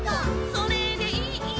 「それでいい」